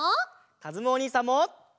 かずむおにいさんも！